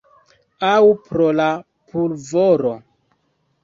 Aŭ pro la pulvoro?